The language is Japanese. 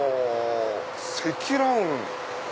「積乱雲」。